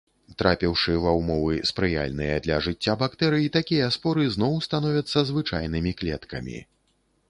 Трапіўшы ва ўмовы, спрыяльныя для жыцця бактэрый, такія споры зноў становяцца звычайнымі клеткамі.